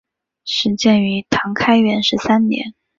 始建于唐开元十三年。